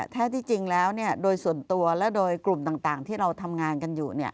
แท้ที่จริงแล้วโดยส่วนตัวและโดยกลุ่มต่างที่เราทำงานกันอยู่